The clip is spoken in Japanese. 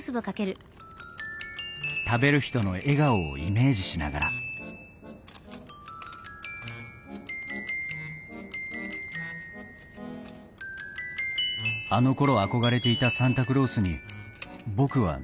食べる人の笑顔をイメージしながらあのころ憧れていたサンタクロースに僕はなれているのだろうか？